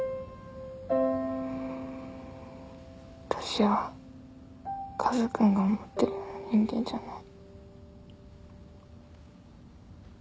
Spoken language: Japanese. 私はカズくんが思ってるような人間じゃない。